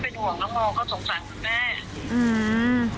เป็นคนในคอนโดเดียวกับคุณแม่เลยใช่ไหมครับ